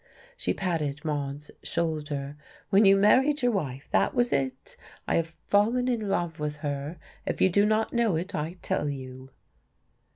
She patted Maude's shoulder. "When you married your wife that was it. I have fallen in love with her. If you do not know it, I tell you."